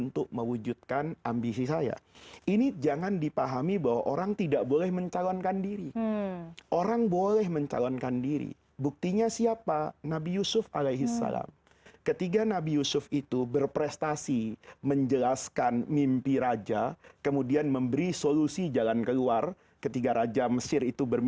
tidak bisa tidur